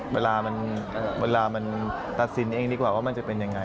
เวลามันตัดสินเองดีกว่าว่ามันจะเป็นยังไง